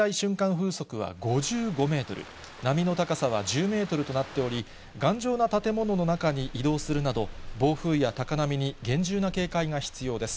風速は５５メートル、波の高さは１０メートルとなっており、頑丈な建物の中に移動するなど、暴風や高波に厳重な警戒が必要です。